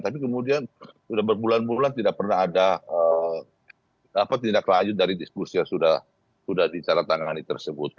tapi kemudian sudah berbulan bulan tidak pernah ada tindak lanjut dari diskusi yang sudah ditandatangani tersebut